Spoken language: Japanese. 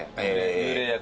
幽霊役？